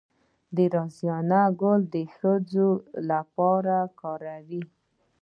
د رازیانې ګل د ښځو لپاره وکاروئ